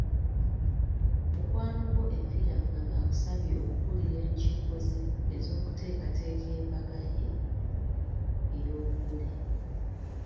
Mukwano gwo enfiirabulago akusabye okukulira enkiiko ze ez’okuteekateeka embaga ye ey’obugole.